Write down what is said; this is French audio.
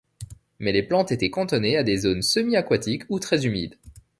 Mais les plantes étaient cantonnées à des zones semi-aquatiques ou très humides.